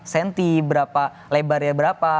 senti berapa lebarnya berapa